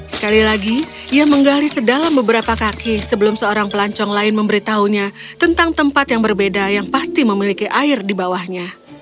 sekali lagi ia menggali sedalam beberapa kaki sebelum seorang pelancong lain memberitahunya tentang tempat yang berbeda yang pasti memiliki air di bawahnya